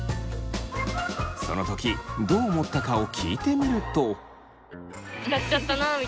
その時どう思ったかを聞いてみると。など